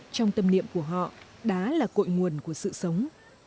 trong tâm niệm của họ đá là cội nguồn của sự sống